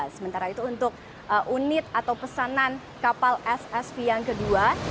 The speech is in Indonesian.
sementara itu untuk unit atau pesanan kapal ssv yang kedua